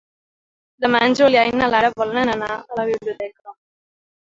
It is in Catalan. Demà en Julià i na Lara volen anar a la biblioteca.